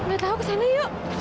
gak tau kesana yuk